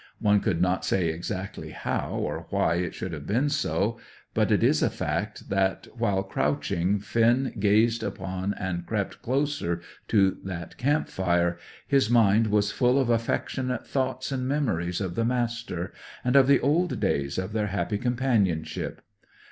One could not say exactly how or why it should have been so, but it is a fact that, while crouching Finn gazed upon and crept closer to that camp fire, his mind was full of affectionate thoughts and memories of the Master, and of the old days of their happy companionship.